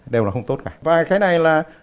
đều là không tốt cả và cái này là